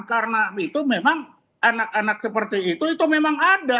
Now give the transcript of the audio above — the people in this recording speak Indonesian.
karena itu memang anak anak seperti itu itu memang ada